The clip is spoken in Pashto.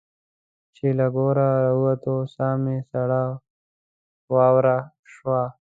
چې له کوره را ووتو ساه مو سړه واوره شوه.